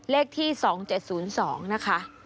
เลขที่๒๗๐๒นะคะ